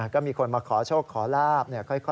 ก็มีคนมาขอโชคขอลาบ